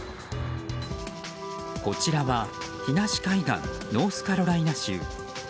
こちらは東海岸ノースカロライナ州。